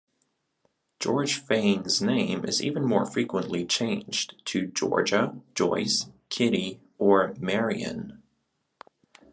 George Fayne's name is even more frequently changed, to Georgia, Joyce, Kitty, or Marion.